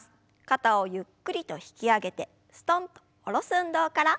肩をゆっくりと引き上げてすとんと下ろす運動から。